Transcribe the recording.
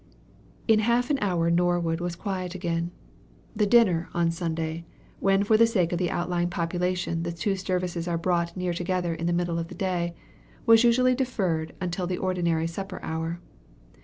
In half an hour Norwood was quiet again. The dinner, on Sunday, when for the sake of the outlying population the two services are brought near together in the middle of the day, was usually deferred till the ordinary supper hour.